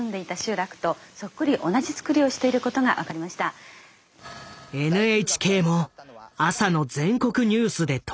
ＮＨＫも朝の全国ニュースで取り上げた。